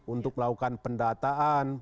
untuk melakukan pendataan